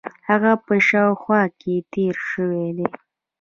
هغه په شاوخوا کې تېر شوی دی.